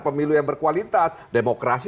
pemilu yang berkualitas demokrasi